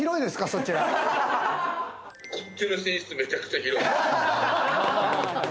こっちの寝室、めちゃくちゃ広い。